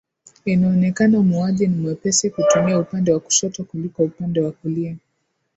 Inaonekana muuaji ni mwepesi kutumia upande wa kushoto kuliko upande wa kulia